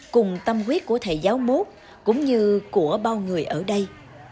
cùng tâm quyết của thầy giáo mốt cũng như của bao người ở đây